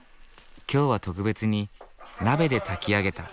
今日は特別に鍋で炊き上げた。